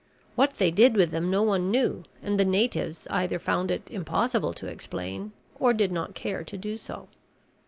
What they did with them no one knew and the natives either found it impossible to explain or did not care to do so.